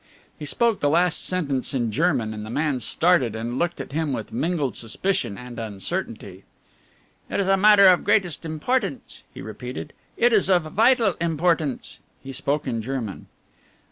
He spoke the last sentence in German and the man started and looked at him with mingled suspicion and uncertainty. "It is a matter of the greatest importance," he repeated, "it is of vital importance." He spoke in German.